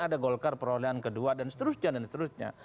ada golkar perolehan kedua dan seterusnya